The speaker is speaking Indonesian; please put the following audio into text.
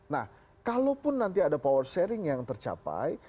nah kalaupun nanti ada power sharing yang tercapai